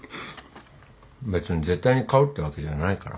別に絶対に買うってわけじゃないから。